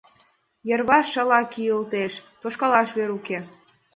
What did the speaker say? Йырваш шала кийылтеш, тошкалаш вер уке.